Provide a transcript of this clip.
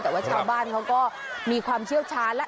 แต่ว่าชาวบ้านเขาก็มีความเชี่ยวชาญแล้ว